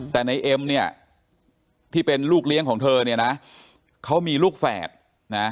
แต่ในเอ็มเนี่ยที่เป็นลูกเลี้ยงของเธอเนี่ยนะเขามีลูกแฝดนะ